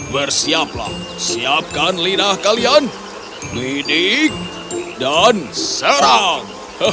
bersiaplah siapkan lidah kalian lidik dan serang